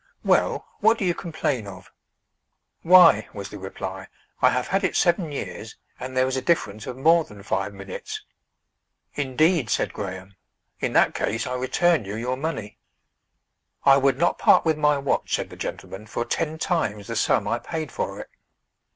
Well, what do you complain of?" "Why," was the reply, "I have had it seven years, and there is a difference of more than five minutes." "Indeed!" said Graham. "In that case I return you your money." "I would not part with my watch," said the gentleman, "for ten times the sum I paid for it."